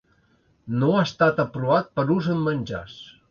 No ha estat aprovat per ús en menjars.